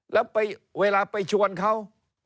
แล้วเวลาไปชวนเขา